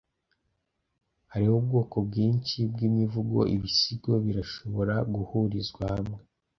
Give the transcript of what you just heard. hariho ubwoko bwinshi bw'imivugo. ibisigo birashobora guhurizwa hamwe